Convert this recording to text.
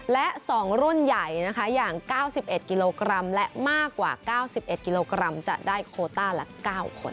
และ๒รุ่นใหญ่นะคะอย่าง๙๑กิโลกรัมและมากกว่า๙๑กิโลกรัมจะได้โคต้าละ๙คน